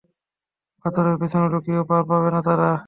পাথরের পেছনে লুকিয়েও পার পাবে না তারা!